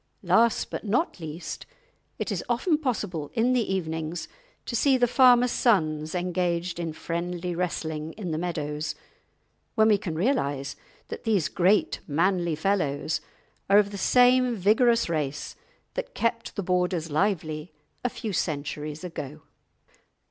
Last, but not least, it is often possible in the evenings to see the farmers' sons engaged in friendly wrestling in the meadows, when we can realise that these great manly fellows are of the same vigorous race that kept the Borders lively a few centuries ago.